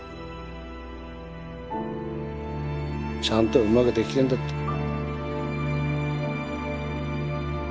ちゃんとうまくできてるんだって。